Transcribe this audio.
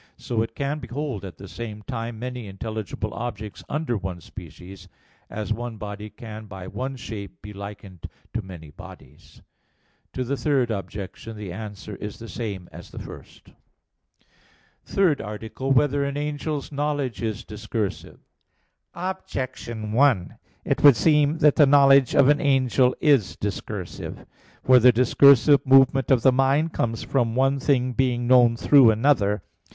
So it can behold at the same time many intelligible objects under one species; as one body can by one shape be likened to many bodies. To the third objection the answer is the same as the first. _______________________ THIRD ARTICLE [I, Q. 58, Art. 3] Whether an Angel's Knowledge Is Discursive? Objection 1: It would seem that the knowledge of an angel is discursive. For the discursive movement of the mind comes from one thing being known through another.